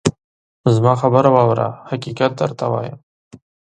زما خبره واوره ! حقیقت درته وایم.